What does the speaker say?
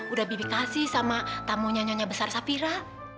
udah bibi kasih sama tamunya nyonya besar safira